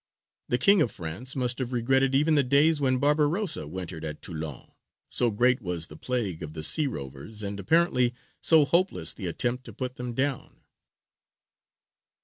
The King of France must have regretted even the days when Barbarossa wintered at Toulon, so great was the plague of the sea rovers and apparently so hopeless the attempt to put them down.